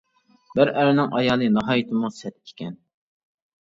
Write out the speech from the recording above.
بىر ئەرنىڭ ئايالى ناھايىتىمۇ سەت ئىكەن.